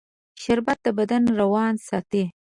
شربت د بدن روان ساتي